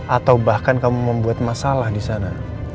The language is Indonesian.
atau bahkan kamu membuat masalah di sana